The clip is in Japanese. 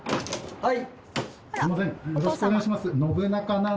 はい。